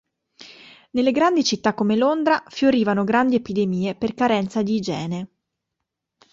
Nelle grandi città come Londra, fiorivano grandi epidemie per carenza di igiene.